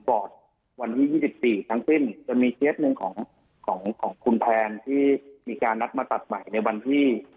ก่อนวันที่ยี่สิบสี่ทั้งสิ้นจะมีเจสหนึ่งของของของคุณแทนที่มีการนัดมาตัดใหม่ในวันที่